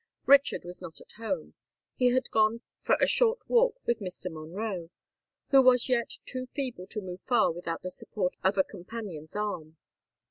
Richard was not at home: he had gone for a short walk with Mr. Monroe, who was yet too feeble to move far without the support of a companion's arm.